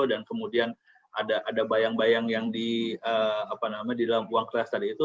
dan kemudian ada bayang bayang yang di dalam uang keras tadi itu